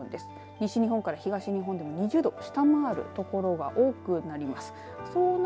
西日本から東日本でも２０度を下回るところが多くなります。